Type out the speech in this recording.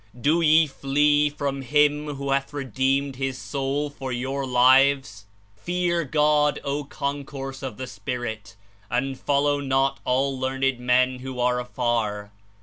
Do ye flee from Him who hath redeemed His Soul for your lives? Fear God, O Concourse of the Spirit, and follow not all learned men who are afar.